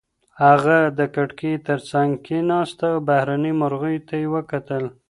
هغه د کړکۍ تر څنګ کېناسته او بهرنیو مرغیو ته یې وکتل.